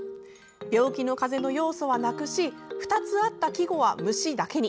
病気の風邪の要素はなくし２つあった季語は「虫」だけに。